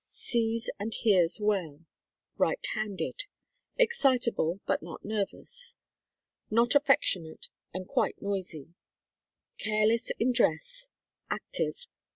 Sees and hears well. Right handed. Excitable but not nervous. Not affectionate and quite noisy. Careless in dress. Active.